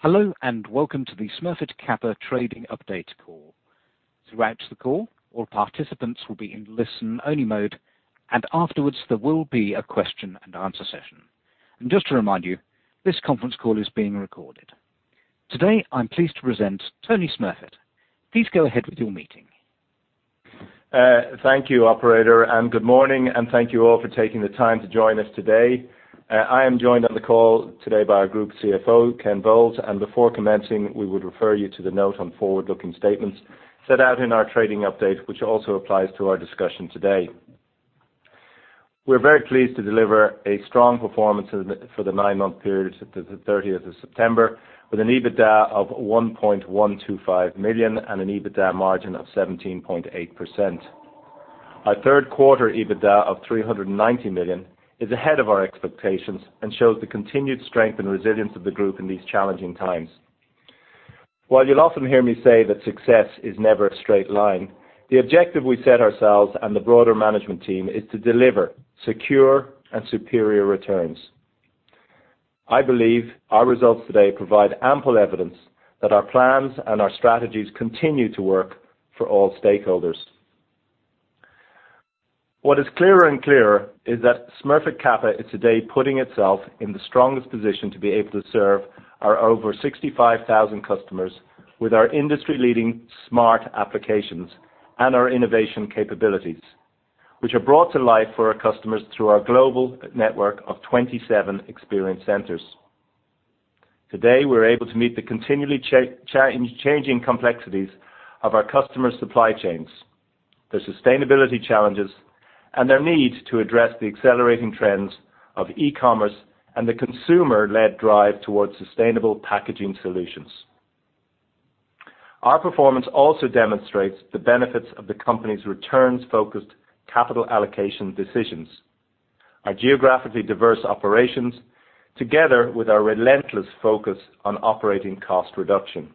Hello, and welcome to the Smurfit Kappa trading update call. Throughout the call, all participants will be in listen-only mode, and afterwards, there will be a question and answer session. Just to remind you, this conference call is being recorded. Today, I'm pleased to present Tony Smurfit. Please go ahead with your meeting. Thank you, operator, and good morning, and thank you all for taking the time to join us today. I am joined on the call today by our Group CFO, Ken Bowles, and before commencing, we would refer you to the note on forward-looking statements set out in our trading update, which also applies to our discussion today. We're very pleased to deliver a strong performance for the nine-month period to the thirtieth of September, with an EBITDA of 1,125 million and an EBITDA margin of 17.8%. Our third quarter EBITDA of 390 million is ahead of our expectations and shows the continued strength and resilience of the Group in these challenging times. While you'll often hear me say that success is never a straight line, the objective we set ourselves and the broader management team is to deliver secure and superior returns. I believe our results today provide ample evidence that our plans and our strategies continue to work for all stakeholders. What is clearer and clearer is that Smurfit Kappa is today putting itself in the strongest position to be able to serve our over 65,000 customers with our industry-leading Smart Applications and our innovation capabilities, which are brought to life for our customers through our global network of 27 Experience Centres. Today, we're able to meet the continually changing complexities of our customers' supply chains, their sustainability challenges, and their need to address the accelerating trends of e-commerce and the consumer-led drive towards sustainable packaging solutions. Our performance also demonstrates the benefits of the company's returns-focused capital allocation decisions, our geographically diverse operations, together with our relentless focus on operating cost reduction.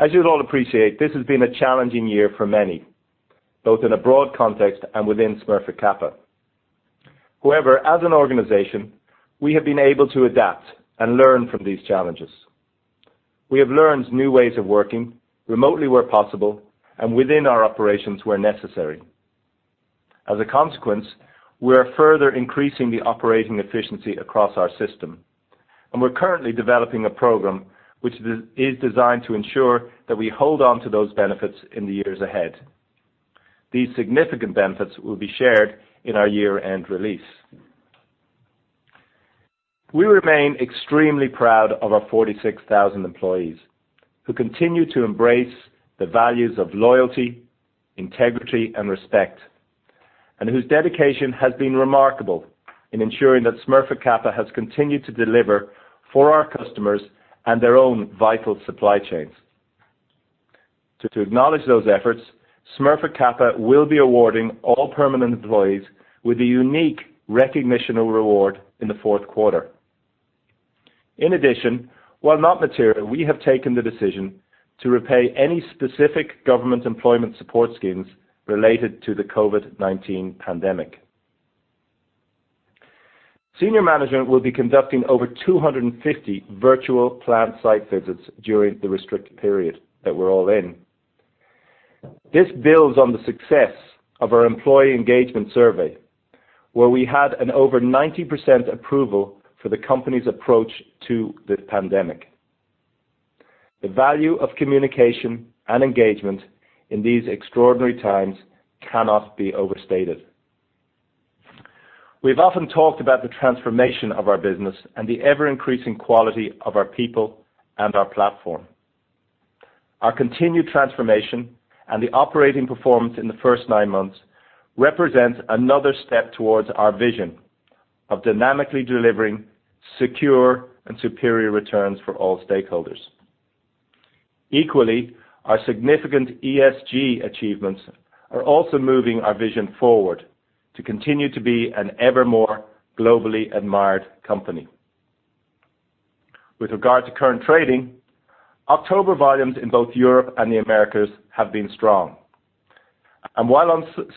As you'd all appreciate, this has been a challenging year for many, both in a broad context and within Smurfit Kappa. However, as an organization, we have been able to adapt and learn from these challenges. We have learned new ways of working, remotely where possible, and within our operations, where necessary. As a consequence, we are further increasing the operating efficiency across our system, and we're currently developing a program which is designed to ensure that we hold on to those benefits in the years ahead. These significant benefits will be shared in our year-end release. We remain extremely proud of our 46,000 employees, who continue to embrace the values of loyalty, integrity, and respect, and whose dedication has been remarkable in ensuring that Smurfit Kappa has continued to deliver for our customers and their own vital supply chains. To acknowledge those efforts, Smurfit Kappa will be awarding all permanent employees with a unique recognition or reward in the fourth quarter. In addition, while not material, we have taken the decision to repay any specific government employment support schemes related to the COVID-19 pandemic. Senior management will be conducting over 250 virtual plant site visits during the restricted period that we're all in. This builds on the success of our employee engagement survey, where we had an over 90% approval for the company's approach to the pandemic. The value of communication and engagement in these extraordinary times cannot be overstated. We've often talked about the transformation of our business and the ever-increasing quality of our people and our platform. Our continued transformation and the operating performance in the first nine months represents another step towards our vision of dynamically delivering secure and superior returns for all stakeholders. Equally, our significant ESG achievements are also moving our vision forward to continue to be an ever more globally admired company. With regard to current trading, October volumes in both Europe and the Americas have been strong. And while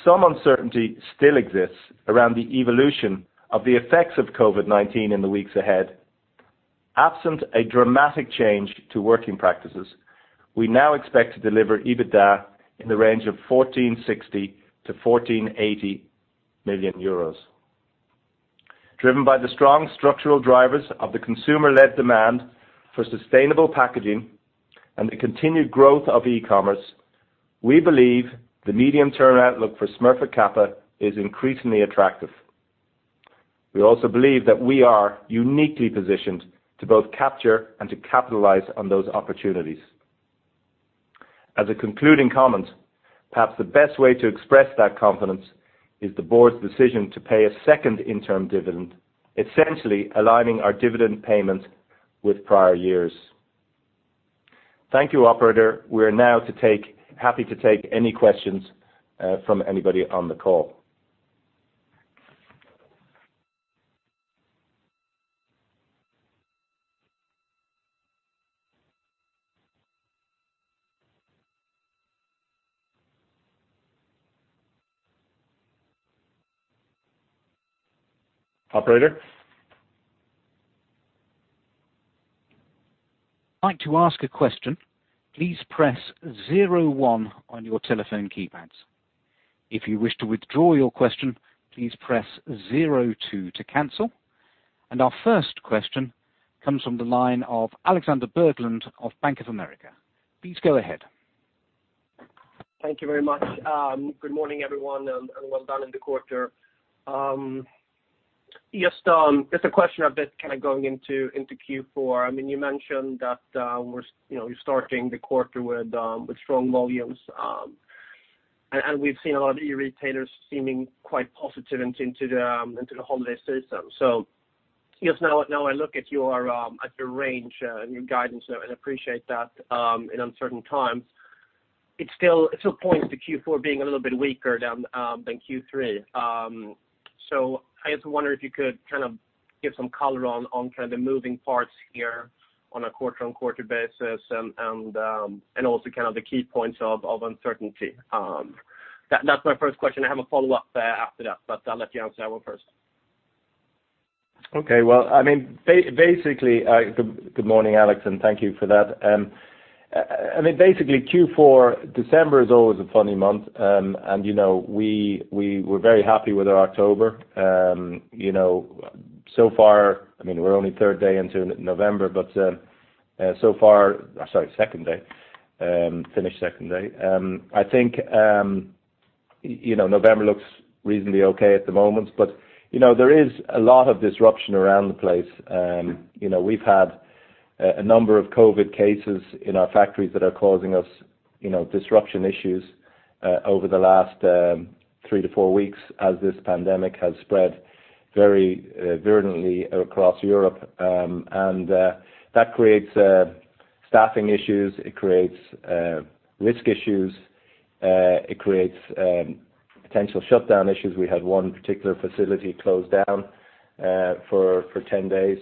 some uncertainty still exists around the evolution of the effects of COVID-19 in the weeks ahead, absent a dramatic change to working practices, we now expect to deliver EBITDA in the range of 1,460 million-1,480 million euros. Driven by the strong structural drivers of the consumer-led demand for sustainable packaging and the continued growth of e-commerce, we believe the medium-term outlook for Smurfit Kappa is increasingly attractive. We also believe that we are uniquely positioned to both capture and to capitalize on those opportunities. As a concluding comment, perhaps the best way to express that confidence is the board's decision to pay a second interim dividend, essentially aligning our dividend payment with prior years. Thank you, operator. We're now happy to take any questions from anybody on the call. Operator? If you'd like to ask a question, please press zero one on your telephone keypads. If you wish to withdraw your question, please press zero two to cancel. And our first question comes from the line of Alexander Berglund of Bank of America. Please go ahead. Thank you very much. Good morning, everyone, and well done in the quarter. Just a question of this kind of going into Q4. I mean, you know, you're starting the quarter with strong volumes. We've seen a lot of e-retailers seeming quite positive into the holiday season. Just now I look at your range and your guidance and appreciate that, in uncertain times, it still points to Q4 being a little bit weaker than Q3. I just wonder if you could kind of give some color on kind of the moving parts here on a quarter-on-quarter basis and also kind of the key points of uncertainty. That's my first question. I have a follow up, after that, but I'll let you answer that one first. Okay. Well, I mean, basically, good morning, Alex, and thank you for that. I mean, basically, Q4, December is always a funny month. And, you know, we were very happy with our October. You know, so far, I mean, we're only third day into November, but, so far, sorry, second day, finished second day. I think, you know, November looks reasonably okay at the moment, but, you know, there is a lot of disruption around the place. You know, we've had a number of COVID cases in our factories that are causing us, you know, disruption issues, over the last, three to four weeks as this pandemic has spread very, virulently across Europe. And, that creates, staffing issues, it creates, risk issues, it creates, potential shutdown issues. We had one particular facility closed down, for, for 10 days.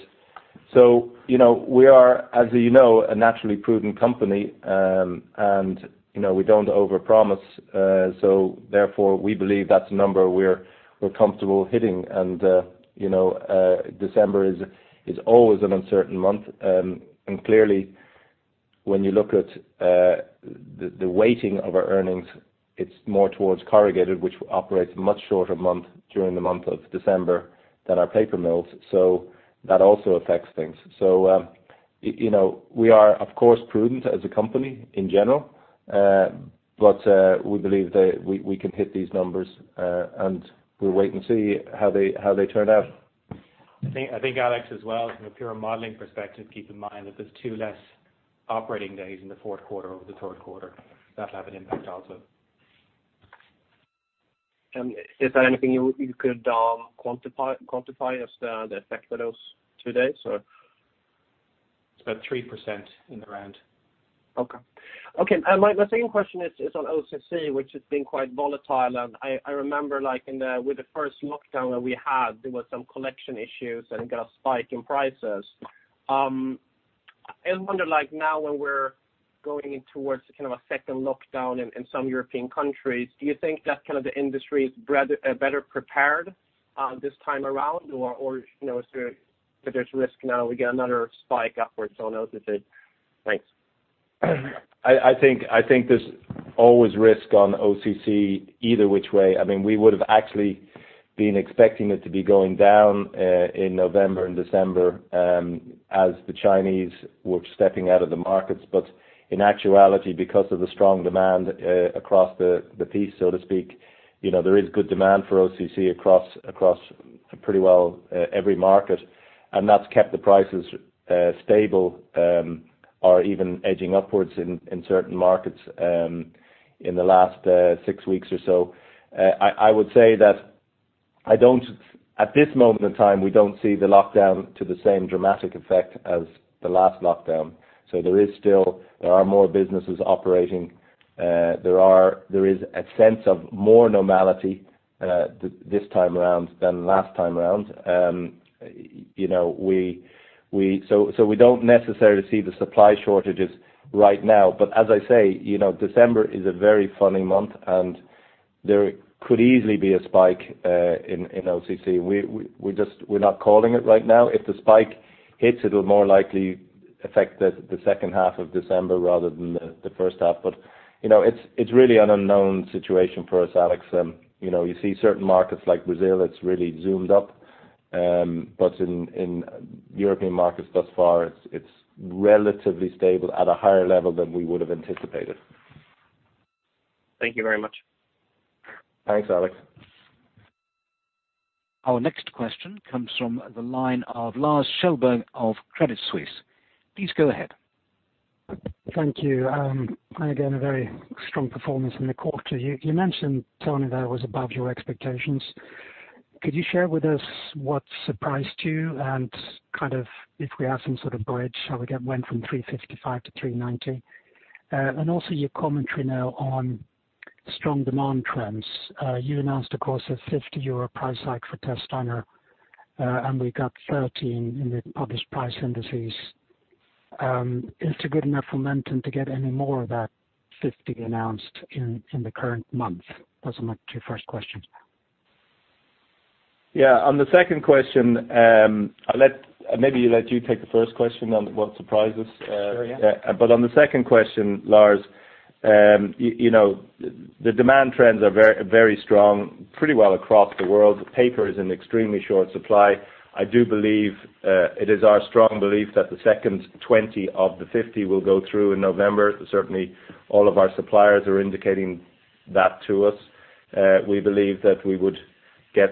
So, you know, we are, as you know, a naturally prudent company, and, you know, we don't overpromise. So therefore, we believe that's a number we're, we're comfortable hitting. And, you know, December is, is always an uncertain month. And clearly, when you look at, the, the weighting of our earnings, it's more towards corrugated, which operates a much shorter month during the month of December than our paper mills, so that also affects things. You know, we are, of course, prudent as a company in general, but we believe that we can hit these numbers, and we'll wait and see how they turn out. I think, Alex, as well, from a pure modeling perspective, keep in mind that there's 2 less operating days in the fourth quarter over the third quarter. That'll have an impact also. Is there anything you could quantify as the effect of those two days or? It's about 3% in the round. Okay. Okay, and my, my second question is, is on OCC, which has been quite volatile. And I, I remember, like, in the- with the first lockdown that we had, there was some collection issues and got a spike in prices. I was wondering, like, now when we're going towards kind of a second lockdown in, in some European countries, do you think that kind of the industry is better prepared this time around? Or, or, you know, is there... That there's risk now we get another spike upwards on OCC? Thanks. I think there's always risk on OCC either which way. I mean, we would have actually been expecting it to be going down in November and December, as the Chinese were stepping out of the markets. But in actuality, because of the strong demand across the piece, so to speak, you know, there is good demand for OCC across pretty well every market, and that's kept the prices stable or even edging upwards in certain markets in the last six weeks or so. I would say that I don't at this moment in time, we don't see the lockdown to the same dramatic effect as the last lockdown. So there is still, there are more businesses operating. There is a sense of more normality this time around than last time around. You know, we don't necessarily see the supply shortages right now, but as I say, you know, December is a very funny month, and there could easily be a spike in OCC. We just, we're not calling it right now. If the spike hits, it will more likely affect the second half of December rather than the first half. But, you know, it's really an unknown situation for us, Alex. You know, you see certain markets like Brazil, it's really zoomed up. But in European markets, thus far, it's relatively stable at a higher level than we would have anticipated. Thank you very much. Thanks, Alex. Our next question comes from the line of Lars Kjellberg of Credit Suisse. Please go ahead. Thank you. Again, a very strong performance in the quarter. You mentioned, Tony, that was above your expectations. Could you share with us what surprised you and kind of if we have some sort of bridge, how we went from 355 to 390? And also your commentary now on strong demand trends. You announced, of course, a 50 euro price hike for testliner, and we got 13 in the published price indices. Is it good enough momentum to get any more of that 50 announced in the current month? Those are my two first questions. Yeah, on the second question, I'll maybe let you take the first question on what surprises. Sure, yeah. But on the second question, Lars, you know, the demand trends are very strong, pretty well across the world. Paper is in extremely short supply. I do believe, it is our strong belief that the second 20 of the 50 will go through in November. Certainly, all of our suppliers are indicating that to us. We believe that we would get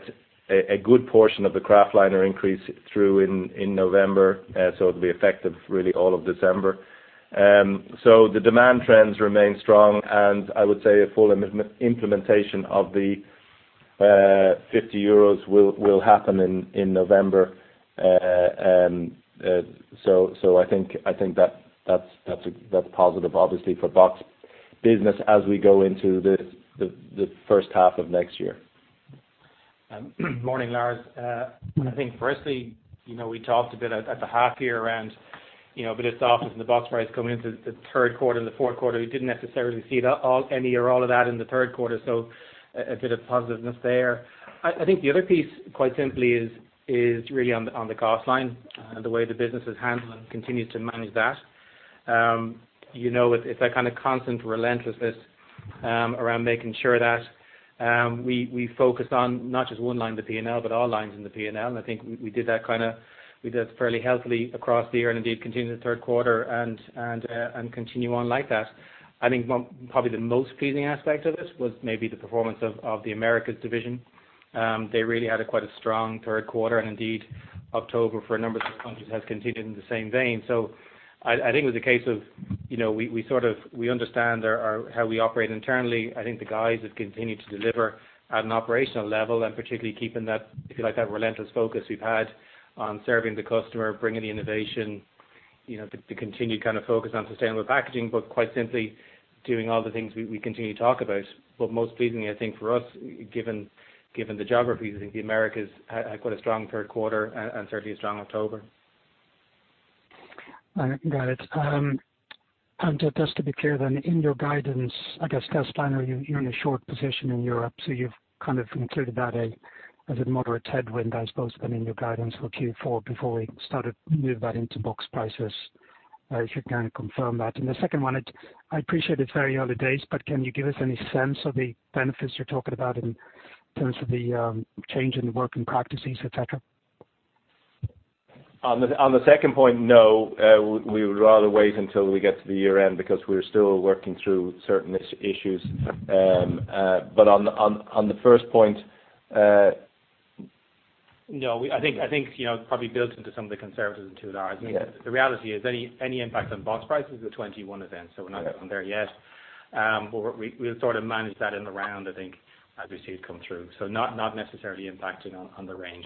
a good portion of the kraftliner increase through in November, so it'll be effective really all of December. So the demand trends remain strong, and I would say a full implementation of the 50 euros will happen in November. So I think that that's positive, obviously, for box business as we go into the first half of next year. Morning, Lars. I think firstly, you know, we talked a bit at the half year around, you know, a bit of softness in the box price coming into the third quarter and the fourth quarter. We didn't necessarily see that any or all of that in the third quarter, so a bit of positiveness there. I think the other piece, quite simply, is really on the cost line, and the way the business is handled and continues to manage that. You know, it's that kind of constant relentlessness around making sure that we focus on not just one line in the P&L, but all lines in the P&L. And I think we did that kind of... We did that fairly healthily across the year, and indeed continued in the third quarter and continue on like that. I think one, probably the most pleasing aspect of this was maybe the performance of the Americas division. They really had a quite strong third quarter, and indeed, October, for a number of countries, has continued in the same vein. So I think it was a case of, you know, we sort of understand our how we operate internally. I think the guys have continued to deliver at an operational level, and particularly keeping that, if you like, that relentless focus we've had on serving the customer, bringing the innovation, you know, the continued kind of focus on sustainable packaging, but quite simply, doing all the things we continue to talk about. But most pleasingly, I think for us, given the geographies, I think the Americas had quite a strong third quarter and certainly a strong October. Got it. And just to be clear then, in your guidance, I guess, kraftliner, you're in a short position in Europe, so you've kind of included that as a moderate headwind, I suppose, then in your guidance for Q4, before we start to move that into box prices, if you can confirm that. And the second one, I appreciate it's very early days, but can you give us any sense of the benefits you're talking about in terms of the change in the working practices, et cetera? On the second point, no, we would rather wait until we get to the year end, because we're still working through certain issues. But on the first point, No, I think, you know, it probably builds into some of the conservatism too, Lars. Yeah. I mean, the reality is any impact on box prices is a 2021 event, so we're not there yet. But we'll sort of manage that in the round, I think, as we see it come through. So not necessarily impacting on the range.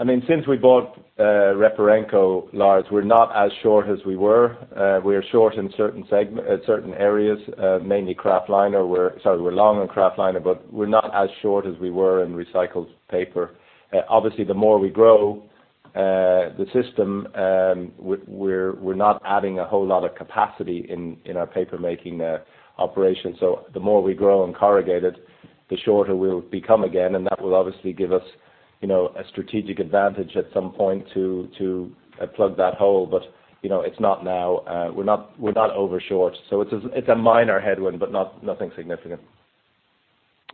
I mean, since we bought Reparenco, Lars, we're not as short as we were. We are short in certain segment, certain areas, mainly kraftliner. Sorry, we're long on kraftliner, but we're not as short as we were in recycled paper. Obviously, the more we grow the system, we're not adding a whole lot of capacity in our paper-making operation. So the more we grow in corrugated, the shorter we'll become again, and that will obviously give us, you know, a strategic advantage at some point to plug that hole. But, you know, it's not now. We're not over short, so it's a minor headwind, but nothing significant.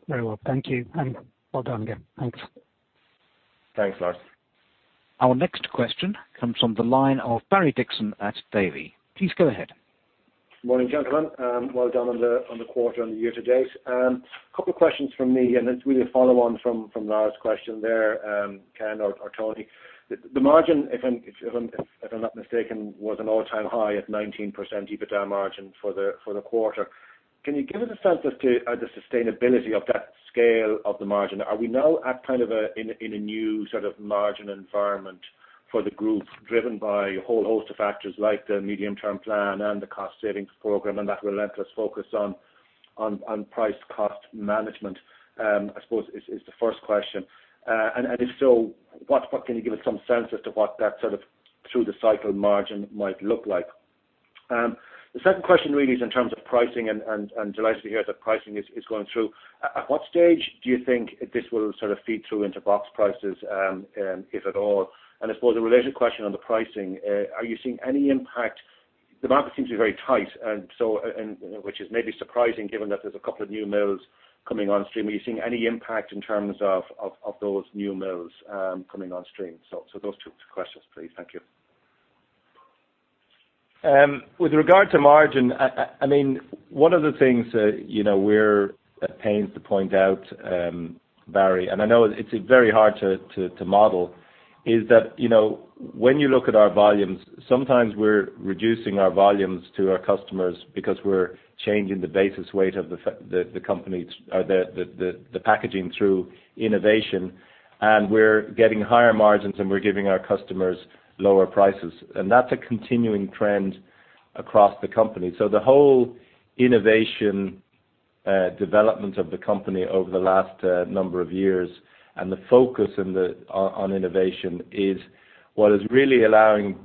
Very well. Thank you, and well done again. Thanks. Thanks, Lars. Our next question comes from the line of Barry Dixon at Davy. Please go ahead. Morning, gentlemen, and well done on the quarter and the year to date. A couple questions from me, and it's really a follow on from Lars' question there, Ken or Tony. The margin, if I'm not mistaken, was an all-time high at 19% EBITDA margin for the quarter. Can you give us a sense as to the sustainability of that scale of the margin? Are we now at kind of a new sort of margin environment for the group, driven by a whole host of factors, like the medium-term plan and the cost savings program, and that relentless focus on price cost management? I suppose is the first question. And if so, what... Can you give us some sense as to what that sort of through the cycle margin might look like? The second question really is in terms of pricing, and delighted to hear that pricing is going through. At what stage do you think this will sort of feed through into box prices, if at all? And I suppose a related question on the pricing, are you seeing any impact. The market seems to be very tight, and so, and which is maybe surprising, given that there's a couple of new mills coming on stream. Are you seeing any impact in terms of those new mills coming on stream? So those two questions, please. Thank you. With regard to margin, I mean, one of the things that, you know, we're at pains to point out, Barry, and I know it's very hard to model, is that, you know, when you look at our volumes, sometimes we're reducing our volumes to our customers because we're changing the basis weight of the company's or the packaging through innovation, and we're getting higher margins, and we're giving our customers lower prices. And that's a continuing trend across the company. So the whole development of the company over the last number of years, and the focus on innovation is what is really allowing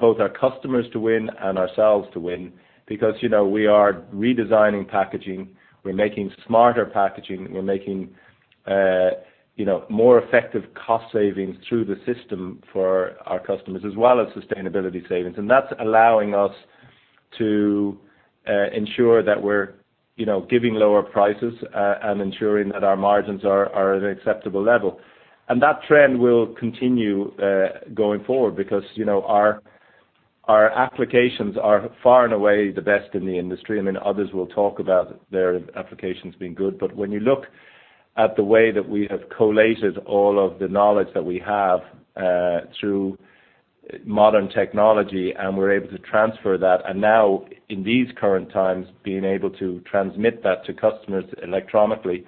both our customers to win and ourselves to win. Because, you know, we are redesigning packaging, we're making smarter packaging, we're making, you know, more effective cost savings through the system for our customers, as well as sustainability savings. That's allowing us to, ensure that we're, you know, giving lower prices, and ensuring that our margins are, are at an acceptable level. That trend will continue, going forward because, you know, our, our applications are far and away the best in the industry. I mean, others will talk about their applications being good, but when you look at the way that we have collated all of the knowledge that we have through modern technology, and we're able to transfer that, and now in these current times, being able to transmit that to customers electronically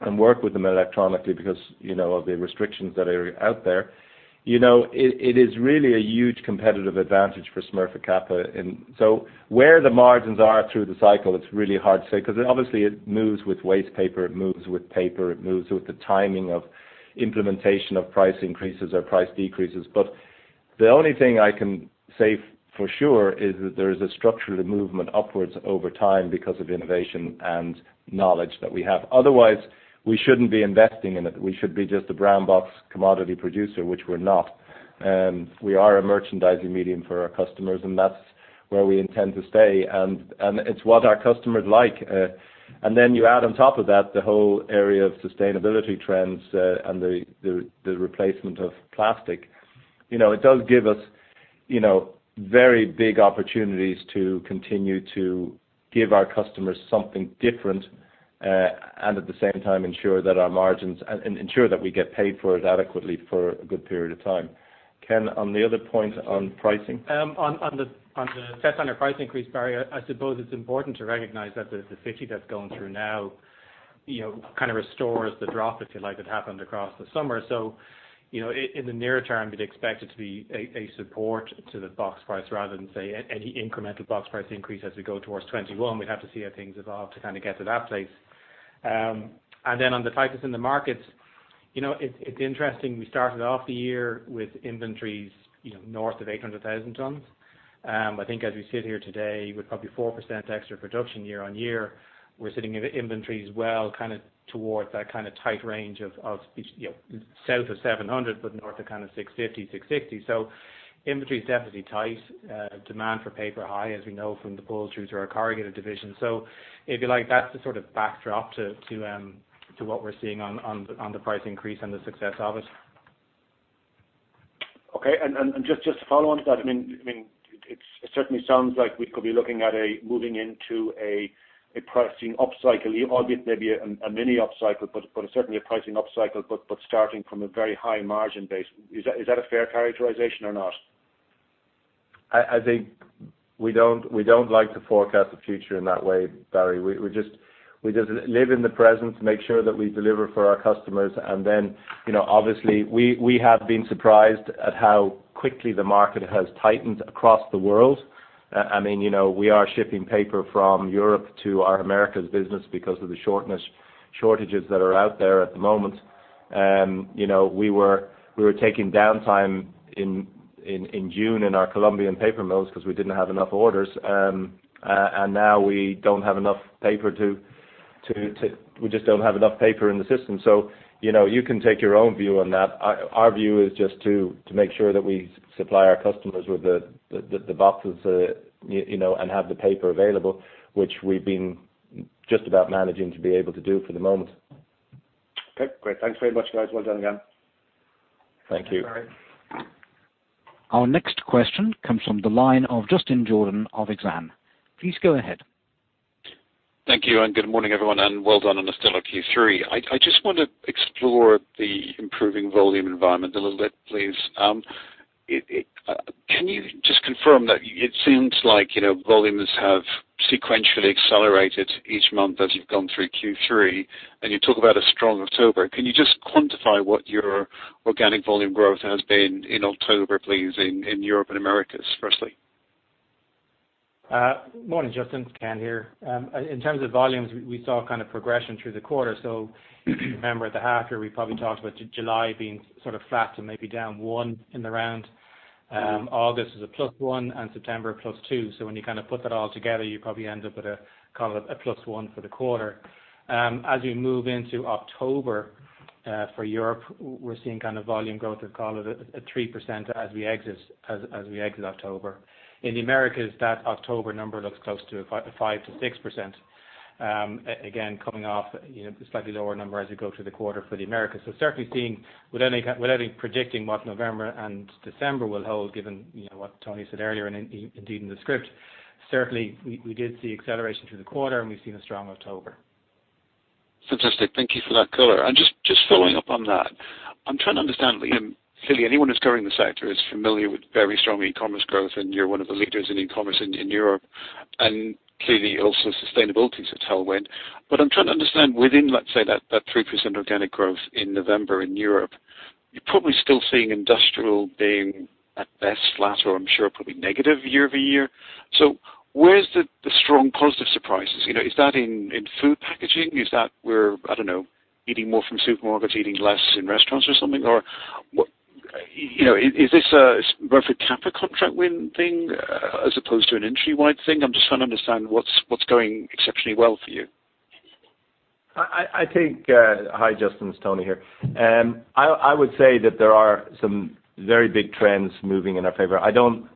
and work with them electronically because, you know, of the restrictions that are out there, you know, it is really a huge competitive advantage for Smurfit Kappa. And so where the margins are through the cycle, it's really hard to say, 'cause it obviously moves with waste paper, it moves with paper, it moves with the timing of implementation of price increases or price decreases. But the only thing I can say for sure is that there is a structural movement upwards over time because of innovation and knowledge that we have. Otherwise, we shouldn't be investing in it. We should be just a brown box commodity producer, which we're not. We are a merchandising medium for our customers, and that's where we intend to stay, and it's what our customers like. And then you add on top of that, the whole area of sustainability trends, and the replacement of plastic. You know, it does give us, you know, very big opportunities to continue to give our customers something different, and at the same time, ensure that our margins... And ensure that we get paid for it adequately for a good period of time. Ken, on the other point on pricing? On the success on our price increase, Barry, I suppose it's important to recognize that the EUR 50 that's going through now, you know, kind of restores the drop, if you like, that happened across the summer. So, you know, in the near term, we'd expect it to be a support to the box price rather than, say, any incremental box price increase as we go towards 2021. We'd have to see how things evolve to kind of get to that place. And then on the tightness in the markets, you know, it's interesting, we started off the year with inventories, you know, north of 800,000 tons. I think as we sit here today with probably 4% extra production year-on-year, we're sitting in the inventories well, kind of towards that kind of tight range of, of, you know, south of 700, but north of kind of 650, 660. So inventory is definitely tight. Demand for paper high, as we know from the pull through to our corrugated division. So if you like, that's the sort of backdrop to, to, to what we're seeing on, on the, on the price increase and the success of it. Okay. And just to follow on to that, I mean, it certainly sounds like we could be looking at moving into a pricing upcycle, albeit maybe a mini upcycle, but certainly a pricing upcycle, but starting from a very high margin base. Is that a fair characterization or not? I think we don't like to forecast the future in that way, Barry. We just live in the present to make sure that we deliver for our customers. And then, you know, obviously, we have been surprised at how quickly the market has tightened across the world. I mean, you know, we are shipping paper from Europe to our Americas business because of the shortages that are out there at the moment. You know, we were taking downtime in June in our Colombian paper mills because we didn't have enough orders. And now we don't have enough paper to... We just don't have enough paper in the system. So, you know, you can take your own view on that. Our view is just to make sure that we supply our customers with the boxes, you know, and have the paper available, which we've been just about managing to be able to do for the moment. Okay, great. Thanks very much, guys. Well done again. Thank you. Thanks, Barry. Our next question comes from the line of Justin Jordan of Exane. Please go ahead. Thank you, and good morning, everyone, and well done on the stellar Q3. I just want to explore the improving volume environment a little bit, please. Can you just confirm that it seems like, you know, volumes have sequentially accelerated each month as you've gone through Q3, and you talk about a strong October. Can you just quantify what your organic volume growth has been in October, please, in Europe and Americas, firstly? Morning, Justin, Ken here. In terms of volumes, we saw kind of progression through the quarter. So if you remember at the half year, we probably talked about July being sort of flat to maybe down 1 in the round. August is a +1, and September, +2. So when you kind of put that all together, you probably end up with, call it a +1 for the quarter. As we move into October, for Europe, we're seeing kind of volume growth of call it a 3% as we exit October. In the Americas, that October number looks close to a 5%-6%. Again, coming off, you know, a slightly lower number as we go through the quarter for the Americas. So certainly seeing, without any predicting what November and December will hold, given, you know, what Tony said earlier, and indeed in the script, certainly we did see acceleration through the quarter, and we've seen a strong October. Fantastic. Thank you for that color. And just, just following up on that, I'm trying to understand, clearly anyone who's covering the sector is familiar with very strong e-commerce growth, and you're one of the leaders in e-commerce in, in Europe, and clearly also sustainability is a tailwind. But I'm trying to understand within, let's say, that, that 3% organic growth in November in Europe. You're probably still seeing industrial being at best flat, or I'm sure probably negative year-over-year. So where's the, the strong positive surprises? You know, is that in, in food packaging? Is that we're, I don't know, eating more from supermarkets, eating less in restaurants or something? Or what, you know, is, is this a Smurfit Kappa contract win thing, as opposed to an industry-wide thing? I'm just trying to understand what's, what's going exceptionally well for you. I think, Hi, Justin, it's Tony here. I would say that there are some very big trends moving in our favor. I don't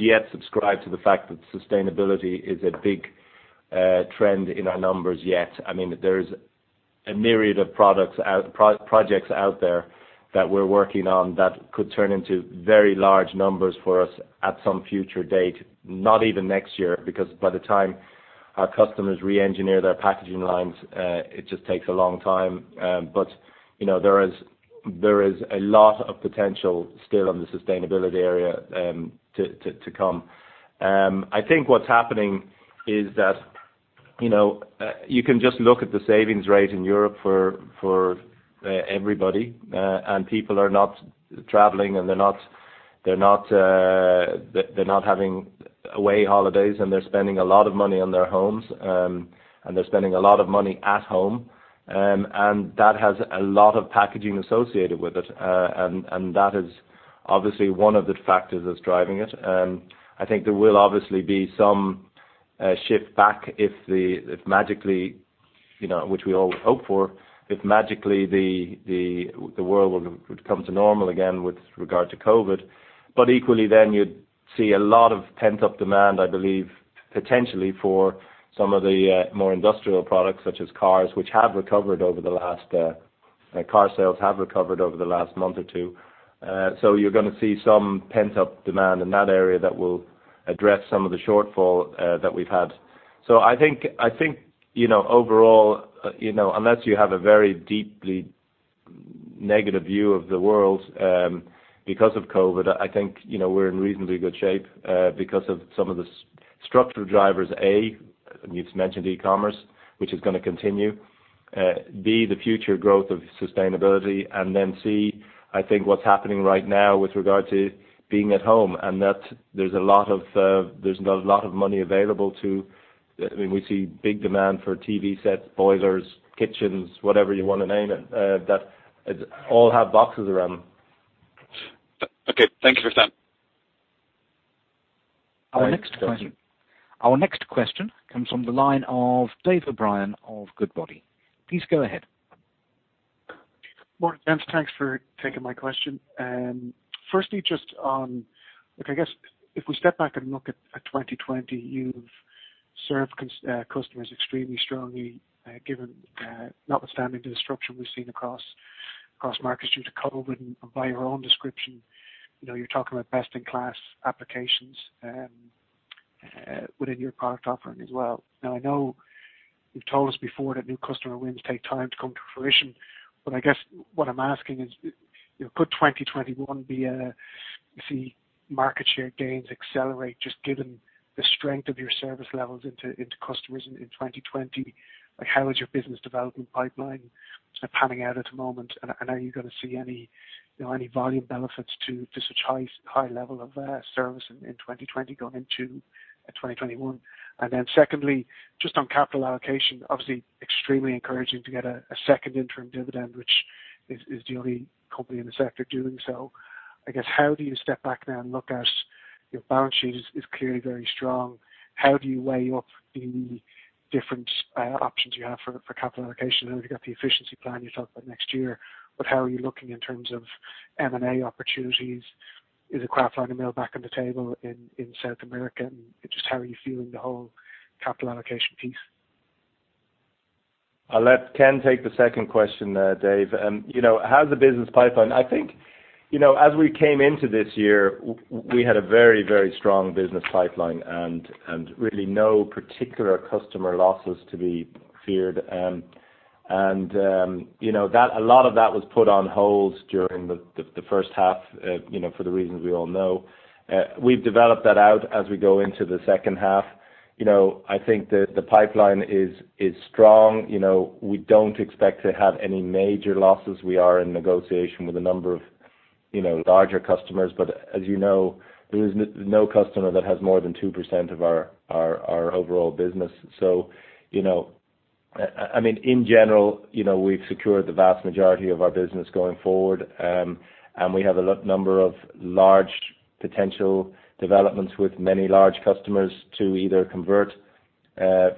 yet subscribe to the fact that sustainability is a big trend in our numbers yet. I mean, there's a myriad of products out, projects out there that we're working on that could turn into very large numbers for us at some future date, not even next year, because by the time our customers re-engineer their packaging lines, it just takes a long time. But, you know, there is a lot of potential still on the sustainability area to come. I think what's happening is that, you know, you can just look at the savings rate in Europe for everybody. And people are not traveling, and they're not having away holidays, and they're spending a lot of money on their homes. And they're spending a lot of money at home. And that has a lot of packaging associated with it. And that is obviously one of the factors that's driving it. I think there will obviously be some shift back if magically, you know, which we all hope for, if magically the world would come to normal again with regard to COVID. But equally, then you'd see a lot of pent-up demand, I believe, potentially for some of the more industrial products, such as cars, which have recovered over the last month or two. Car sales have recovered over the last month or two. So you're gonna see some pent-up demand in that area that will address some of the shortfall that we've had. So I think, I think, you know, overall, you know, unless you have a very deeply negative view of the world, because of COVID, I think, you know, we're in reasonably good shape, because of some of the structural drivers, A, you've mentioned e-commerce, which is gonna continue, B, the future growth of sustainability, and then, C, I think what's happening right now with regard to being at home, and that there's a lot of, there's a lot of money available to... I mean, we see big demand for TV sets, boilers, kitchens, whatever you wanna name it, that all have boxes around them. Okay. Thank you for your time. Our next question- Thanks, Justin. Our next question comes from the line of Dave O'Brien of Goodbody. Please go ahead. Morning, gents. Thanks for taking my question. Firstly, just on... Look, I guess, if we step back and look at 2020, you've served customers extremely strongly, given, notwithstanding the disruption we've seen across markets due to COVID, and by your own description, you know, you're talking about best-in-class applications within your product offering as well. Now, I know you've told us before that new customer wins take time to come to fruition, but I guess what I'm asking is, you know, could 2021 be a, you see market share gains accelerate, just given the strength of your service levels into customers in 2020? Like, how is your business development pipeline sort of panning out at the moment, and are you gonna see any, you know, any volume benefits to such high level of service in 2020 going into 2021? And then secondly, just on capital allocation, obviously extremely encouraging to get a second interim dividend, which is the only company in the sector doing so. I guess, how do you step back now and look at your balance sheet, is clearly very strong. How do you weigh up the different options you have for capital allocation? I know you've got the efficiency plan you talked about next year, but how are you looking in terms of M&A opportunities? Is a Klabin deal back on the table in South America? And just how are you viewing the whole capital allocation piece? I'll let Ken take the second question, Dave. You know, how's the business pipeline? I think, you know, as we came into this year, we had a very, very strong business pipeline and really no particular customer losses to be feared. You know, that a lot of that was put on hold during the first half, you know, for the reasons we all know. We've developed that out as we go into the second half. You know, I think the pipeline is strong. You know, we don't expect to have any major losses. We are in negotiation with a number of, you know, larger customers, but as you know, there is no customer that has more than 2% of our overall business. So, you know, I mean, in general, you know, we've secured the vast majority of our business going forward, and we have a number of large potential developments with many large customers to either convert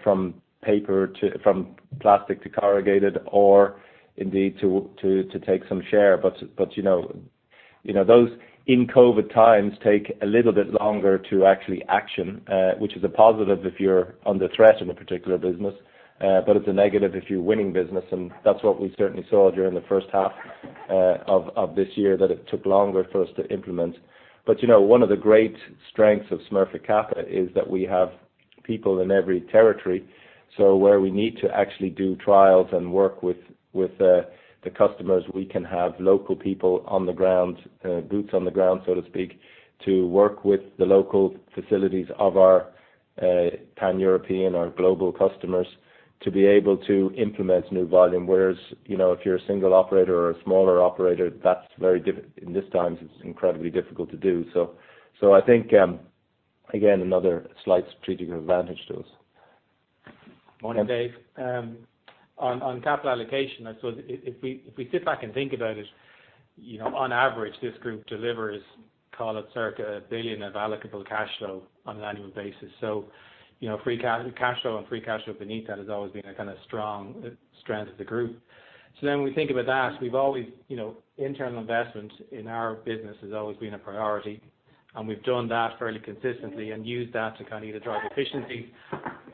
from plastic to corrugated, or indeed to take some share. But you know, those in COVID times take a little bit longer to actually action, which is a positive if you're under threat in a particular business, but it's a negative if you're winning business, and that's what we certainly saw during the first half of this year, that it took longer for us to implement. But, you know, one of the great strengths of Smurfit Kappa is that we have people in every territory, so where we need to actually do trials and work with the customers, we can have local people on the ground, boots on the ground, so to speak, to work with the local facilities of our pan-European or global customers... to be able to implement new volume, whereas, you know, if you're a single operator or a smaller operator, that's very difficult in these times; it's incredibly difficult to do. So I think, again, another slight strategic advantage to us. Morning, Dave. On capital allocation, I suppose if we sit back and think about it, you know, on average, this group delivers, call it circa 1 billion of allocable cash flow on an annual basis. So, you know, free cash flow and cash flow beneath that has always been a kind of strong strength of the group. So then when we think about that, we've always, you know, internal investment in our business has always been a priority, and we've done that fairly consistently and used that to kind of either drive efficiency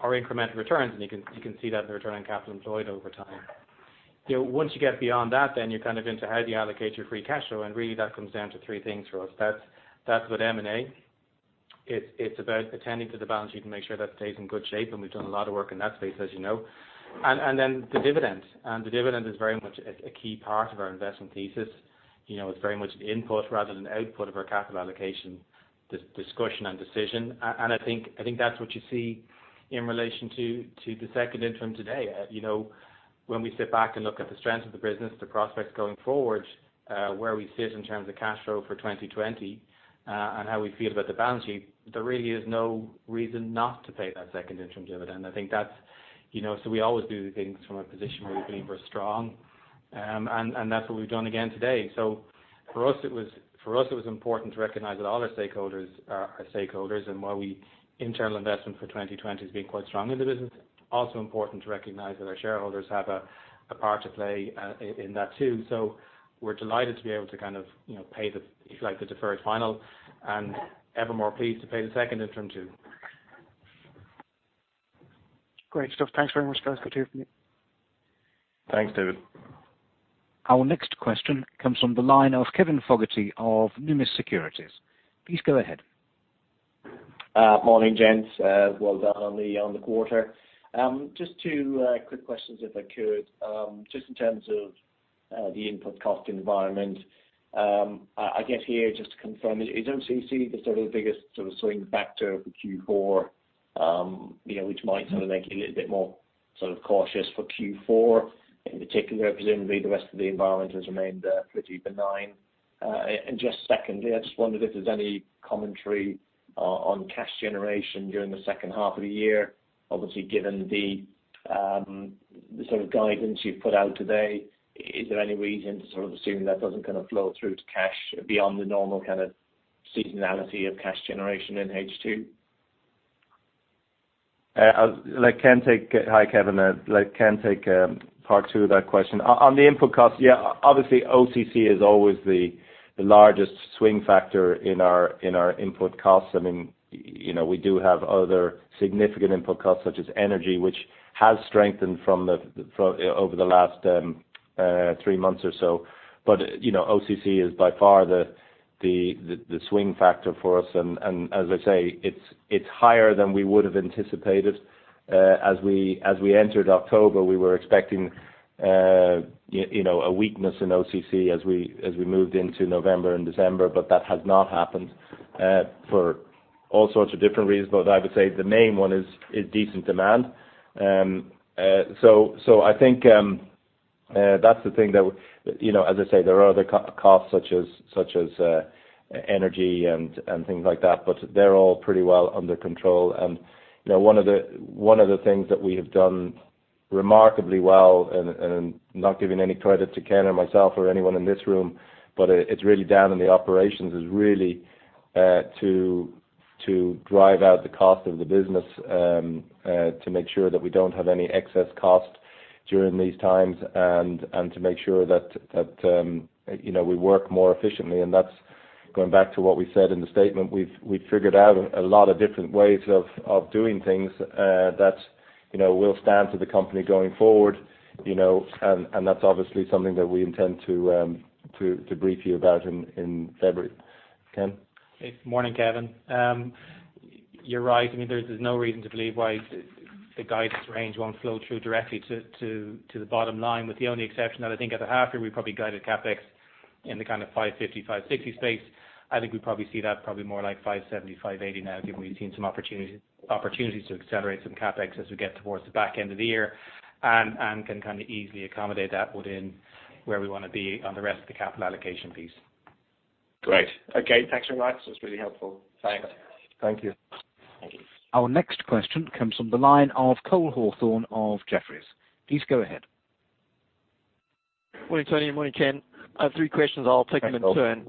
or incremental returns, and you can see that in the return on capital employed over time. You know, once you get beyond that, then you're kind of into how do you allocate your free cash flow? And really, that comes down to three things for us. That's, that's about M&A. It's, it's about attending to the balance sheet to make sure that stays in good shape, and we've done a lot of work in that space, as you know. And, and then the dividend, and the dividend is very much a, a key part of our investment thesis. You know, it's very much input rather than output of our capital allocation, discussion and decision. And I think, I think that's what you see in relation to, to the second interim today. You know, when we sit back and look at the strength of the business, the prospects going forward, where we sit in terms of cash flow for 2020, and how we feel about the balance sheet, there really is no reason not to pay that second interim dividend. I think that's, you know... So we always do things from a position where we believe we're strong, and that's what we've done again today. So for us, it was important to recognize that all our stakeholders are stakeholders, and while we-- internal investment for 2020 has been quite strong in the business, also important to recognize that our shareholders have a part to play in that too. So we're delighted to be able to kind of, you know, pay the, if you like, the deferred final, and ever more pleased to pay the second interim too. Great stuff. Thanks very much, guys. Thanks, David. Our next question comes from the line of Kevin Fogarty of Numis Securities. Please go ahead. Morning, gents. Well done on the quarter. Just two quick questions, if I could. Just in terms of the input cost environment, I guess here, just to confirm, is OCC the sort of biggest sort of swing factor for Q4, you know, which might sort of make you a little bit more sort of cautious for Q4, in particular, presumably, the rest of the environment has remained pretty benign? And just secondly, I just wondered if there's any commentary on cash generation during the second half of the year. Obviously, given the sort of guidance you've put out today, is there any reason to sort of assume that doesn't kind of flow through to cash beyond the normal kind of seasonality of cash generation in H2? I'll let Ken take... Hi, Kevin. I'll let Ken take part two of that question. On the input cost, yeah, obviously, OCC is always the largest swing factor in our input costs. I mean, you know, we do have other significant input costs, such as energy, which has strengthened over the last three months or so. But, you know, OCC is by far the swing factor for us, and as I say, it's higher than we would have anticipated. As we entered October, we were expecting, you know, a weakness in OCC as we moved into November and December, but that has not happened for all sorts of different reasons, but I would say the main one is decent demand. So, I think that's the thing that—you know, as I say, there are other costs, such as energy and things like that, but they're all pretty well under control. And, you know, one of the things that we have done remarkably well, and not giving any credit to Ken or myself or anyone in this room, but it's really down in the operations, is really to drive out the cost of the business, to make sure that we don't have any excess cost during these times, and to make sure that, you know, we work more efficiently. And that's going back to what we said in the statement. We've figured out a lot of different ways of doing things, you know, that, you know, will stand to the company going forward, you know, and that's obviously something that we intend to brief you about in February. Ken? Hey, morning, Kevin. You're right. I mean, there's no reason to believe why the guidance range won't flow through directly to the bottom line, with the only exception that I think at the half year, we probably guided CapEx in the kind of 550 million-560 million space. I think we probably see that probably more like 570 million-580 million now, given we've seen some opportunities to accelerate some CapEx as we get towards the back end of the year. And can kind of easily accommodate that within where we want to be on the rest of the capital allocation piece. Great. Okay, thanks very much. That's really helpful. Thanks. Thank you. Thank you. Our next question comes from the line of Cole Hathorn of Jefferies. Please go ahead. Morning, Tony, morning, Ken. I have three questions. I'll take them in turn.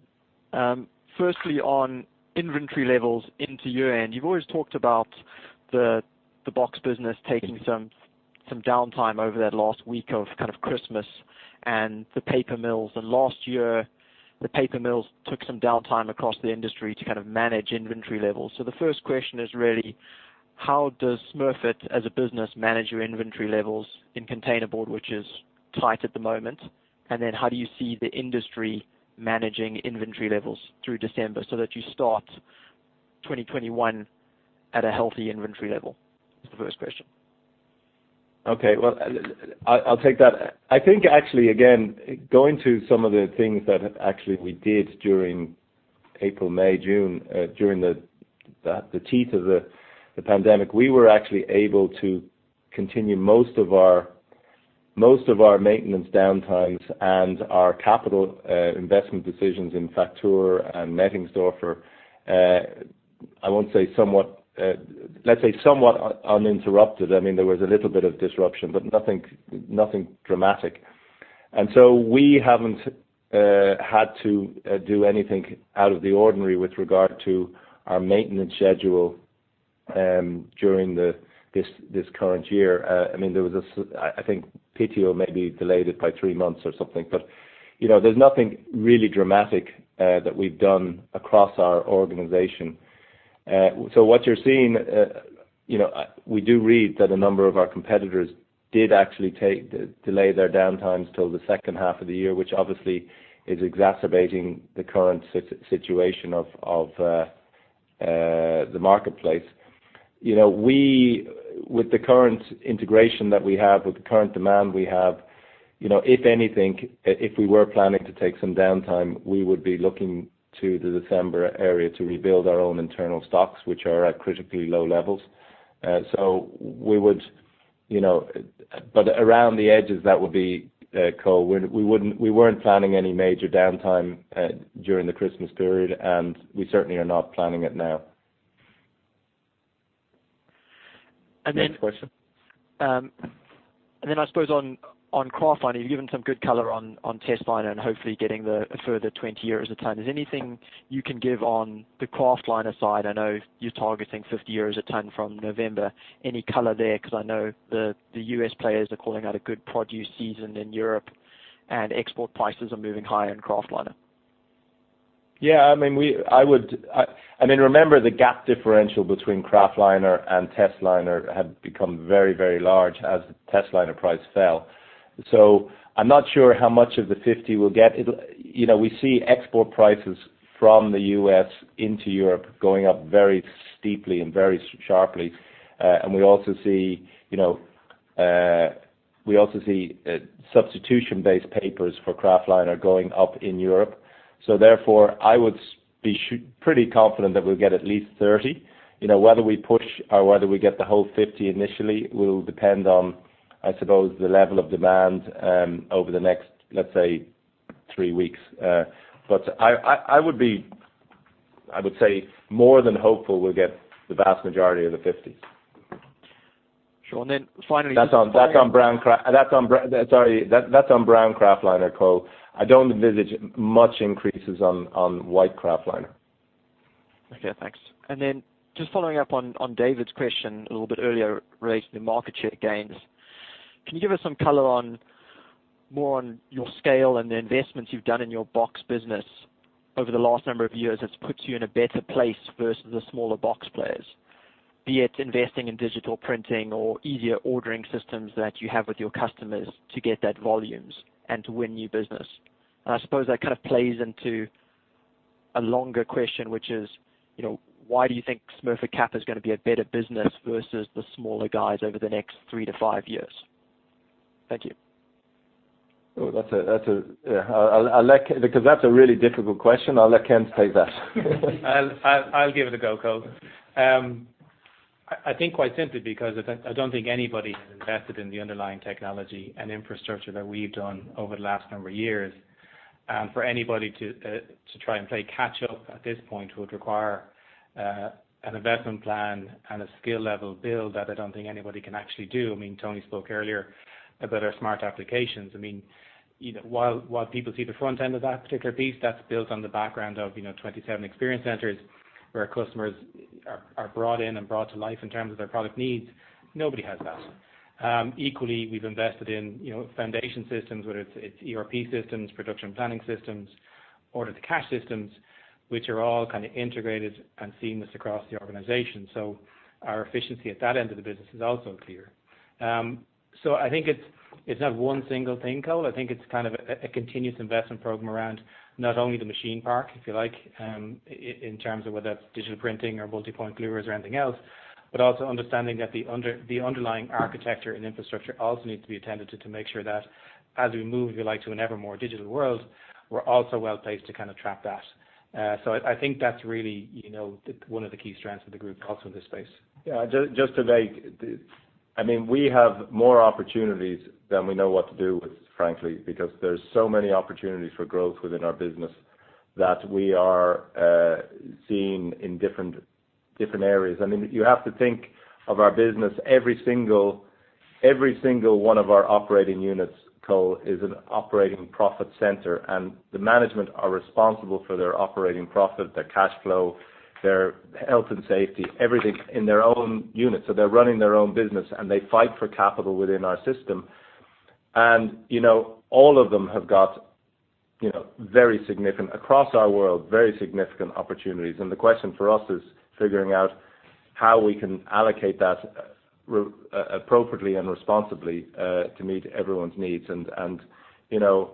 Thanks, Cole. Firstly, on inventory levels into year-end, you've always talked about the box business taking some downtime over that last week of kind of Christmas and the paper mills. Last year, the paper mills took some downtime across the industry to kind of manage inventory levels. The first question is really: How does Smurfit, as a business, manage your inventory levels in containerboard, which is tight at the moment? And then how do you see the industry managing inventory levels through December so that you start 2021 at a healthy inventory level? That's the first question. Okay, well, I'll take that. I think, actually, again, going to some of the things that actually we did during April, May, June, during the teeth of the pandemic, we were actually able to continue most of our maintenance downtimes and our capital investment decisions in Facture and Nettingsdorf. I won't say somewhat, let's say somewhat uninterrupted. I mean, there was a little bit of disruption, but nothing dramatic. And so we haven't had to do anything out of the ordinary with regard to our maintenance schedule during this current year. I mean, there was a – I think, Piteå may be delayed it by three months or something, but, you know, there's nothing really dramatic that we've done across our organization. So what you're seeing, you know, we do read that a number of our competitors did actually delay their downtimes till the second half of the year, which obviously is exacerbating the current situation of the marketplace. You know, we, with the current integration that we have, with the current demand we have, you know, if anything, if we were planning to take some downtime, we would be looking to the December area to rebuild our own internal stocks, which are at critically low levels. So we would, you know... But around the edges, that would be, Cole. We weren't planning any major downtime during the Christmas period, and we certainly are not planning it now. And then- Next question. And then I suppose on kraftliner, you've given some good color on testliner and hopefully getting a further 20 euros a ton. Is there anything you can give on the kraftliner side? I know you're targeting 50 euros a ton from November. Any color there? Because I know the U.S. players are calling out a good produce season in Europe, and export prices are moving higher in kraftliner. Yeah, I mean, I would, I mean, remember the gap differential between kraftliner and testliner had become very, very large as the testliner price fell. So I'm not sure how much of the 50 we'll get. You know, we see export prices from the U.S. into Europe going up very steeply and very sharply. And we also see, you know, substitution-based papers for kraftliner are going up in Europe. So therefore, I would be pretty confident that we'll get at least 30. You know, whether we push or whether we get the whole 50 initially, will depend on, I suppose, the level of demand, over the next, let's say, three weeks. But I would be, I would say, more than hopeful we'll get the vast majority of the 50. Sure. And then finally- That's on brown kraftliner, Cole. Sorry, that's on brown kraftliner. I don't envisage much increases on white kraftliner. Okay, thanks. And then just following up on, on David's question a little bit earlier, relating to the market share gains. Can you give us some color on, more on your scale and the investments you've done in your box business over the last number of years, that's put you in a better place versus the smaller box players? Be it investing in digital printing or easier ordering systems that you have with your customers to get that volumes and to win new business. And I suppose that kind of plays into a longer question, which is, you know, why do you think Smurfit Kappa is gonna be a better business versus the smaller guys over the next 3-5 years? Thank you. Oh, that's a really difficult question. I'll let Ken take that. I'll give it a go, Cole Hathorn. I think quite simply because I don't think anybody has invested in the underlying technology and infrastructure that we've done over the last number of years. And for anybody to try and play catch up at this point would require an investment plan and a skill level build that I don't think anybody can actually do. I mean, Tony Smurfit spoke earlier about our Smart Applications. I mean, you know, while people see the front end of that particular piece, that's built on the background of, you know, 27 Experience Centers, where our customers are brought in and brought to life in terms of their product needs. Nobody has that. Equally, we've invested in, you know, foundation systems, whether it's ERP systems, production planning systems, order to cash systems, which are all kind of integrated and seamless across the organization. So our efficiency at that end of the business is also clear. So I think it's not one single thing, Cole. I think it's kind of a continuous investment program around not only the machine park, if you like, in terms of whether that's digital printing or multipoint gluers or anything else, but also understanding that the underlying architecture and infrastructure also needs to be attended to, to make sure that as we move, we like to an ever more digital world, we're also well-placed to kind of trap that. So I think that's really, you know, the one of the key strengths of the group also in this space. Yeah, just to make... I mean, we have more opportunities than we know what to do with, frankly, because there's so many opportunities for growth within our business that we are seeing in different, different areas. I mean, you have to think of our business, every single, every single one of our operating units, Cole, is an operating profit center, and the management are responsible for their operating profit, their cash flow, their health and safety, everything in their own units. So they're running their own business, and they fight for capital within our system. And, you know, all of them have got, you know, very significant... across our world, very significant opportunities. And the question for us is figuring out how we can allocate that appropriately and responsibly to meet everyone's needs. You know,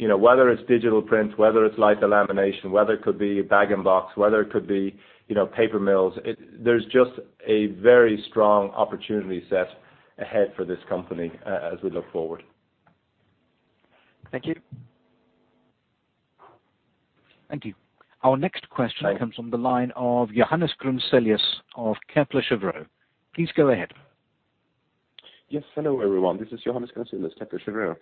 you know, whether it's digital print, whether it's litho-lamination, whether it could be Bag-in-Box, whether it could be, you know, paper mills, there's just a very strong opportunity set ahead for this company as we look forward. Thank you. Thank you. Our next question- Hi. Comes from the line of Johannes Grunselius of Kepler Cheuvreux. Please go ahead. Yes. Hello, everyone. This is Johannes Grunselius, Kepler Cheuvreux.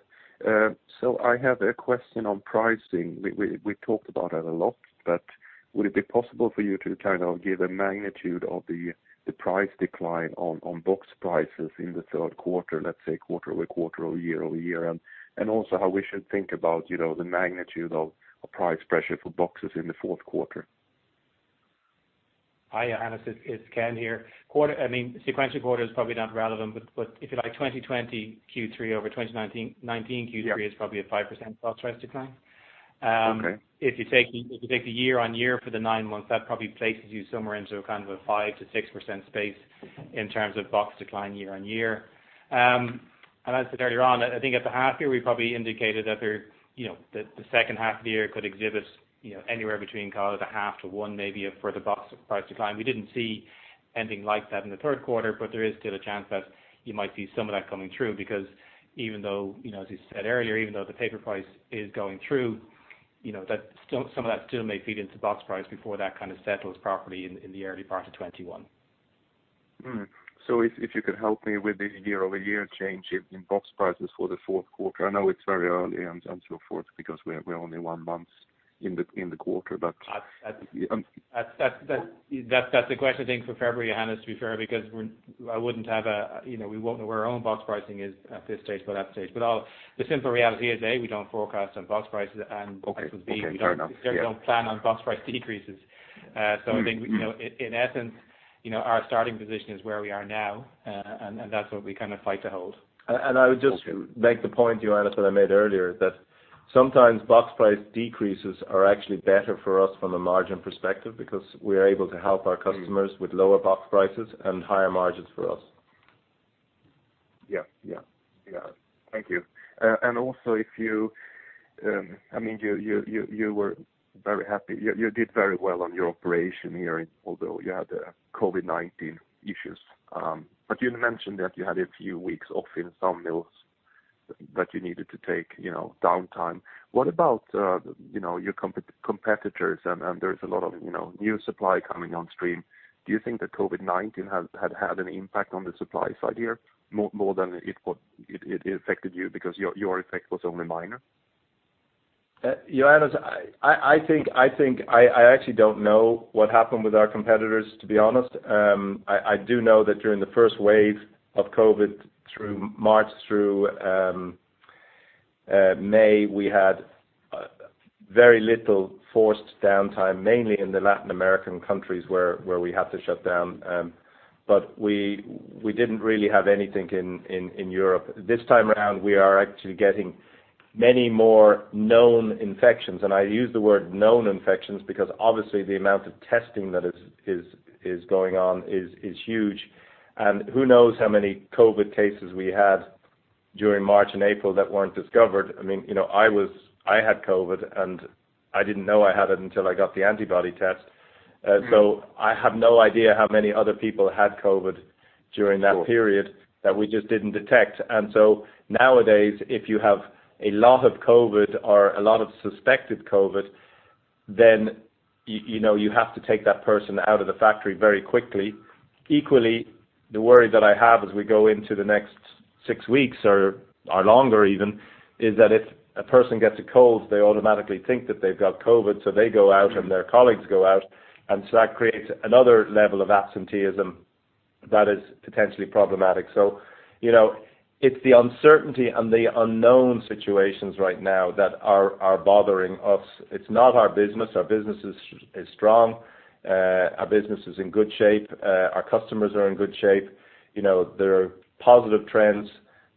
So I have a question on pricing. We talked about it a lot, but would it be possible for you to kind of give a magnitude of the price decline on box prices in the third quarter, let's say, quarter-over-quarter or year-over-year? And also how we should think about, you know, the magnitude of price pressure for boxes in the fourth quarter? Hi, Johannes, it's Ken here. I mean, sequential quarter is probably not relevant, but if you like, 2020 Q3 over 2019 Q3- Yeah... is probably a 5% box price decline. Okay. If you take, if you take the year-over-year for the nine months, that probably places you somewhere into a kind of a 5%-6% space in terms of box decline year-over-year. And as I said earlier on, I think at the half year, we probably indicated that there, you know, that the second half of the year could exhibit, you know, anywhere between kind of a 0.5-1, maybe a further box price decline. We didn't see anything like that in the third quarter, but there is still a chance that you might see some of that coming through. Because even though, you know, as you said earlier, even though the paper price is going through, you know, that still, some of that still may feed into the box price before that kind of settles properly in the early part of 2021. Hmm. So if you could help me with the year-over-year change in box prices for the fourth quarter. I know it's very early and so forth because we're only one month in the quarter, but- That, that- Um. That's the question, I think, for February, Johannes, to be fair, because we're... I wouldn't have a, you know, we won't know where our own box pricing is at this stage, but that stage. But I'll- The simple reality is, A, we don't forecast on box prices and- Okay, okay. And B, we don't- Fair enough, yeah. We don't plan on box price decreases. So I think, you know, in essence, you know, our starting position is where we are now, and that's what we kind of fight to hold. And I would just- Okay... make the point, Johannes, that I made earlier, that sometimes box price decreases are actually better for us from a margin perspective, because we're able to help our customers-... with lower box prices and higher margins for us. Yeah, yeah. Yeah, thank you. And also, if you, I mean, you were very happy. You did very well on your operation here, although you had a COVID-19 issues. But you mentioned that you had a few weeks off in some mills that you needed to take, you know, downtime. What about, you know, your competitors and, and there's a lot of, you know, new supply coming on stream? Do you think that COVID-19 has had an impact on the supply side here, more than it would, it affected you because your effect was only minor? Johannes, I think I actually don't know what happened with our competitors, to be honest. I do know that during the first wave of COVID, through March through May, we had very little forced downtime, mainly in the Latin American countries where we had to shut down. But we didn't really have anything in Europe. This time around, we are actually getting many more known infections, and I use the word known infections, because obviously the amount of testing that is going on is huge. And who knows how many COVID cases we had during March and April that weren't discovered? I mean, you know, I was... I had COVID, and I didn't know I had it until I got the antibody test. So, I have no idea how many other people had COVID during that period- Sure... that we just didn't detect. And so nowadays, if you have a lot of COVID or a lot of suspected COVID, then you know, you have to take that person out of the factory very quickly. Equally, the worry that I have as we go into the next six weeks or longer even, is that if a person gets a cold, they automatically think that they've got COVID, so they go out and their colleagues go out, and so that creates another level of absenteeism that is potentially problematic. So, you know, it's the uncertainty and the unknown situations right now that are bothering us. It's not our business. Our business is strong. Our business is in good shape. Our customers are in good shape. You know, there are positive trends,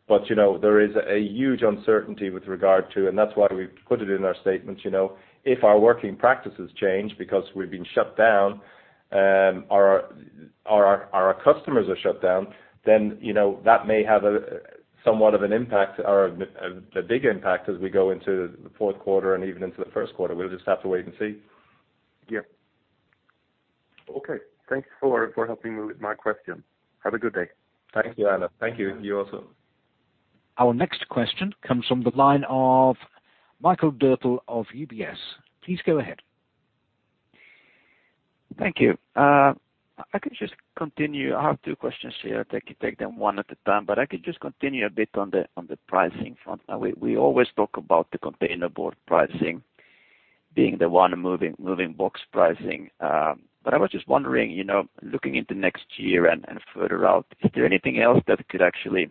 but, you know, there is a huge uncertainty with regard to, and that's why we've put it in our statements, you know, if our working practices change because we've been shut down, our customers are shut down, then, you know, that may have a somewhat of an impact or a big impact as we go into the fourth quarter and even into the first quarter. We'll just have to wait and see. Yeah. Okay, thank you for, for helping me with my question. Have a good day. Thank you, Johannes. Thank you, you also. Our next question comes from the line of Mikael Doepel of UBS. Please go ahead. Thank you. I can just continue. I have two questions here. I think I'll take them one at a time, but I could just continue a bit on the pricing front. We always talk about the containerboard pricing being the one moving box pricing. But I was just wondering, you know, looking into next year and further out, is there anything else that could actually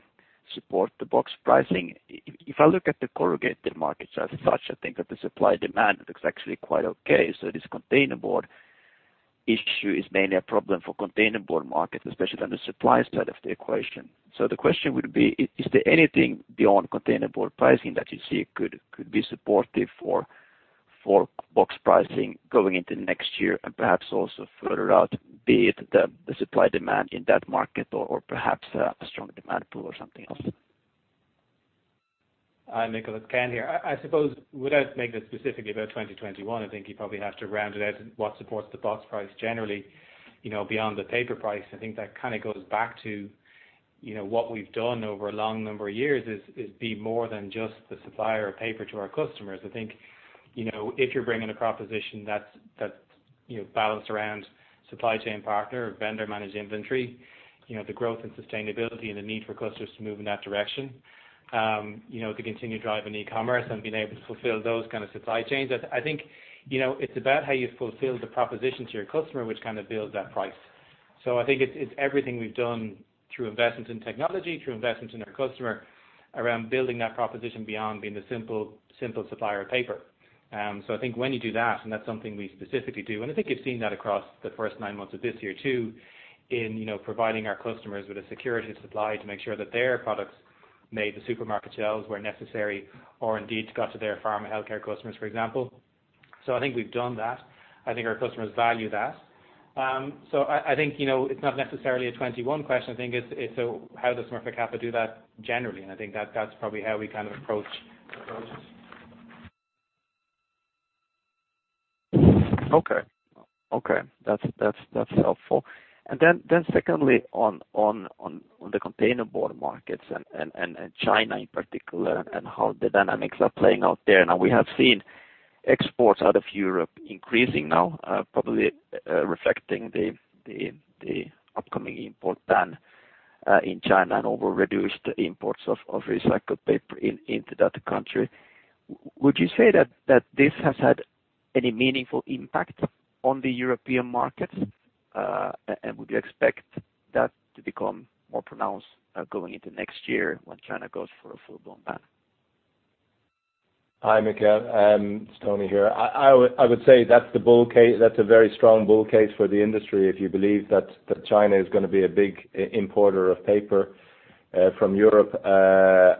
support the box pricing? If I look at the corrugated markets as such, I think that the supply-demand looks actually quite okay. So this containerboard issue is mainly a problem for containerboard market, especially on the supply side of the equation. So the question would be: Is there anything beyond containerboard pricing that you see could be supportive for box pricing going into next year and perhaps also further out, be it the supply-demand in that market or perhaps a strong demand pool or something else? Hi, Mikael, it's Ken here. I suppose without making this specifically about 2021, I think you probably have to round it out in what supports the box price generally, you know, beyond the paper price. I think that kind of goes back to, you know, what we've done over a long number of years is be more than just the supplier of paper to our customers. I think, you know, if you're bringing a proposition that's balanced around supply chain partner or vendor managed inventory. You know, the growth and sustainability and the need for customers to move in that direction. You know, to continue driving e-commerce and being able to fulfill those kind of supply chains. I think, you know, it's about how you fulfill the proposition to your customer, which kind of builds that price. So I think it's everything we've done through investment in technology, through investment in our customer, around building that proposition beyond being the simple supplier of paper. So I think when you do that, and that's something we specifically do, and I think you've seen that across the first nine months of this year, too, in, you know, providing our customers with a security of supply to make sure that their products made the supermarket shelves where necessary, or indeed, got to their pharma and healthcare customers, for example. So I think we've done that. I think our customers value that. So I think, you know, it's not necessarily a 21 question. I think it's a how does Smurfit Kappa do that generally? And I think that, that's probably how we kind of approach it. Okay. That's helpful. Then, secondly, on the containerboard markets and China in particular, and how the dynamics are playing out there. Now, we have seen exports out of Europe increasing now, probably reflecting the upcoming import ban in China and overall reduced imports of recycled paper into that country. Would you say that this has had any meaningful impact on the European markets? And would you expect that to become more pronounced going into next year when China goes for a full-blown ban? Hi, Mikael. It's Tony here. I would say that's the bull case. That's a very strong bull case for the industry. If you believe that China is gonna be a big importer of paper from Europe,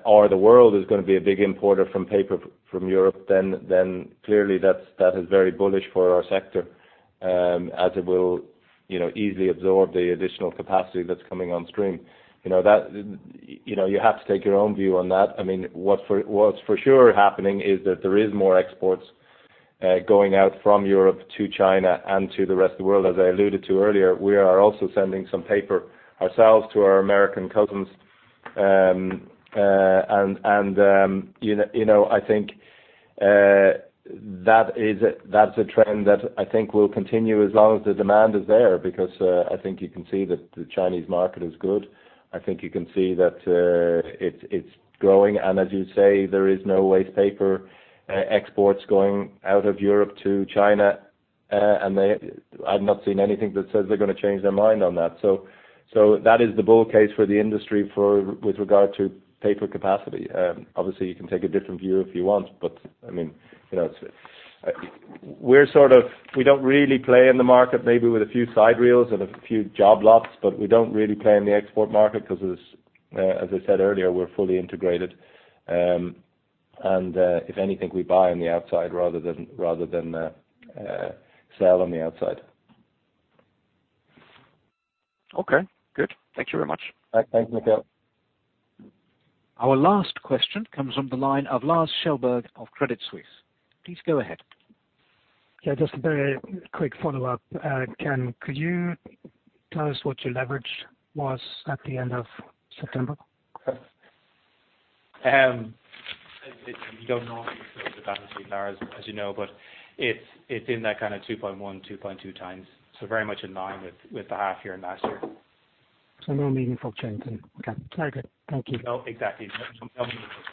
or the world is gonna be a big importer from paper from Europe, then clearly that is very bullish for our sector, as it will, you know, easily absorb the additional capacity that's coming on stream. You know, you have to take your own view on that. I mean, what's for sure happening is that there is more exports going out from Europe to China and to the rest of the world. As I alluded to earlier, we are also sending some paper ourselves to our American cousins. You know, I think that's a trend that I think will continue as long as the demand is there, because I think you can see that the Chinese market is good. I think you can see that it's growing, and as you say, there is no waste paper exports going out of Europe to China, and they... I've not seen anything that says they're gonna change their mind on that. So that is the bull case for the industry for with regard to paper capacity. Obviously, you can take a different view if you want, but I mean, you know, it's we're sort of... We don't really play in the market, maybe with a few side reels and a few job lots, but we don't really play in the export market, 'cause as I said earlier, we're fully integrated. And if anything, we buy on the outside rather than sell on the outside. Okay, good. Thank you very much. Thanks, Mikael. Our last question comes from the line of Lars Kjellberg of Credit Suisse. Please go ahead. Yeah, just a very quick follow-up. Ken, could you tell us what your leverage was at the end of September? We don't close the balance sheet Lars, as you know, but it's in that kind of 2.1-2.2 times, so very much in line with the half year last year. No meaningful change then. Okay, very good. Thank you. No, exactly. No, no meaningful change.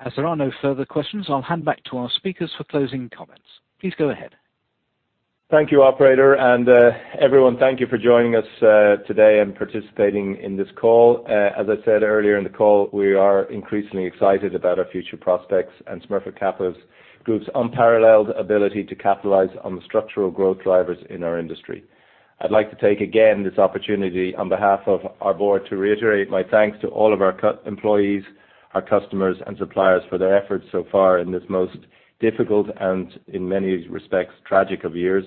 As there are no further questions, I'll hand back to our speakers for closing comments. Please go ahead. Thank you, operator. Everyone, thank you for joining us today and participating in this call. As I said earlier in the call, we are increasingly excited about our future prospects and Smurfit Kappa's unparalleled ability to capitalize on the structural growth drivers in our industry. I'd like to take again this opportunity, on behalf of our board, to reiterate my thanks to all of our customers, employees, customers, and suppliers for their efforts so far in this most difficult and in many respects, tragic year.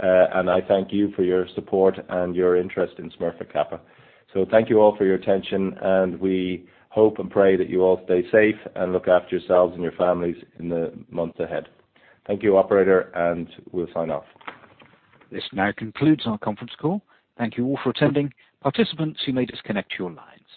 I thank you for your support and your interest in Smurfit Kappa. So thank you all for your attention, and we hope and pray that you all stay safe and look after yourselves and your families in the months ahead. Thank you, operator, and we'll sign off. This now concludes our conference call. Thank you all for attending. Participants, you may disconnect your lines.